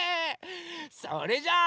それじゃあ